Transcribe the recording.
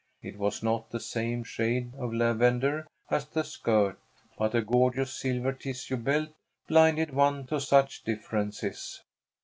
It was not the same shade of lavender as the skirt, but a gorgeous silver tissue belt blinded one to such differences.